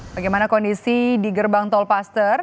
pada jam kondisi di gerbang tol paster